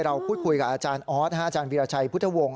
เราพูดคุยกับอาจารย์ออสอาจารย์วิราชัยพุทธวงศ์